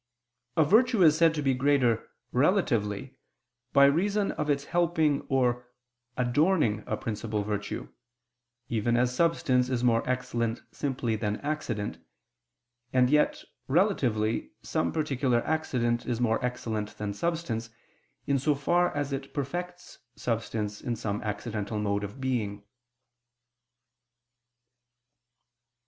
A virtue is said to be greater relatively, by reason of its helping or adorning a principal virtue: even as substance is more excellent simply than accident: and yet relatively some particular accident is more excellent than substance in so far as it perfects substance in some accidental mode of being.